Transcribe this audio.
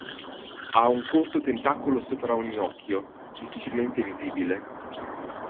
Ha un corto tentacolo sopra ogni occhio, difficilmente visibile.